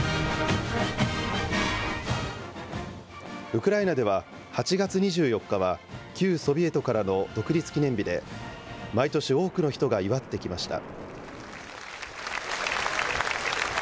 ウクライナでは、８月２４日は旧ソビエトからの独立記念日で、毎年多くの人が祝ってきました。